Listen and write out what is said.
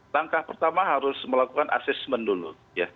langkah pertama harus melakukan assessment dulu